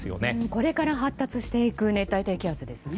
これから発達していく熱帯低気圧ですね。